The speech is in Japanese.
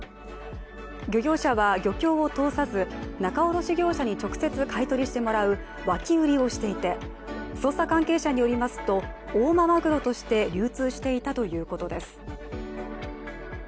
漁業者は漁協を通さず仲卸業者に直接買い取りしてもらう脇売りをしていて捜査関係者によりますと、大間まぐろとして流通していたということです。